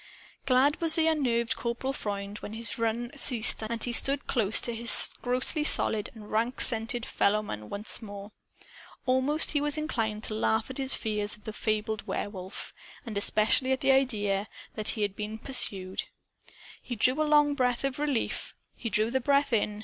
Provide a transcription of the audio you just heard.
Glad was the unnerved Corporal Freund when his run ceased and he stood close to his grossly solid and rank scented fellowmen once more. Almost he was inclined to laugh at his fears of the fabled Werewolf and especially at the idea that he had been pursued. He drew a long breath of relief. He drew the breath in.